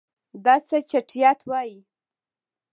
دا څه چټیات وایې.